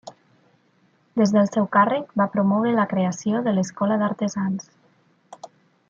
Des del seu càrrec va promoure la creació de l'Escola d'Artesans.